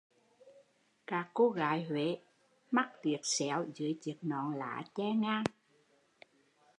Các cô gái Huế mắt liếc xéo dưới chiếc nón lá che ngang